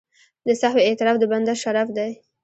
د سهوې اعتراف د بنده شرف دی.